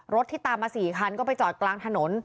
ที่ตามมา๔คันก็ไปจอดกลางถนน